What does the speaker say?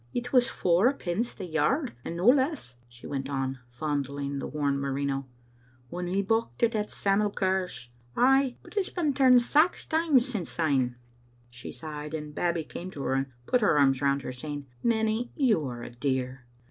" It was fowerpence the yard, and no less," she went on, fondling the worn merino, "when we bocht it at Sam'l Curr's. Ay, but it has been turned sax times since syne. " She sighed, and Babbie came to her and put her arms round her, saying, " Nanny, you are a dear."